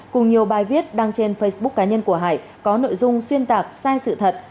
cùng nhiều bài viết đăng trên facebook cá nhân của hải có nội dung xuyên tạc sai sự thật